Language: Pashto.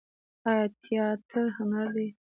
آیا تیاتر هنر دی؟